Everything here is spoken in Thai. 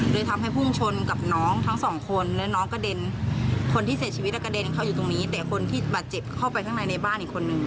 ทำให้พุ่งชนกับน้องทั้งสองคนแล้วน้องกระเด็นคนที่เสียชีวิตกระเด็นเข้าอยู่ตรงนี้แต่คนที่บาดเจ็บเข้าไปข้างในในบ้านอีกคนนึง